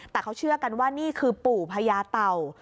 แต่เขาเชื่อกันว่านี่คือปู่พญาเต่า